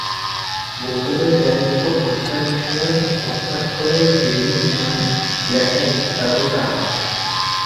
বোতলের গায়ের উপর মাস্টারমশায়ের হস্তাক্ষরে বেণুর নাম লেখা একটা কাগজ আঁটা।